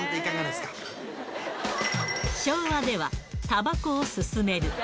昭和ではたばこを勧める。